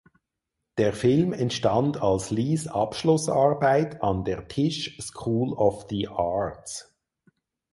Der Film entstand als Lees Abschlussarbeit an der Tisch School of the Arts.